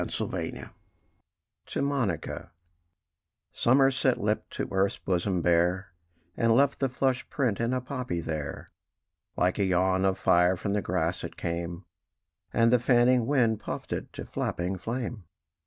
THE POPPY To MONICA Summer set lip to earth's bosom bare, And left the flushed print in a poppy there: Like a yawn of fire from the grass it came, And the fanning wind puffed it to flapping flame.